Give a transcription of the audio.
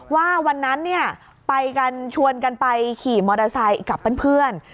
ว่าวันนั้นชวนกันไปขี่มอเตอร์ไซต์กับเพื่อน